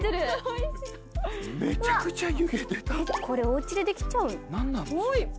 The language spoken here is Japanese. これおうちでできちゃう？